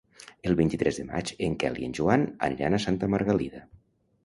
El vint-i-tres de maig en Quel i en Joan aniran a Santa Margalida.